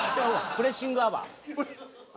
プレッシングアワー。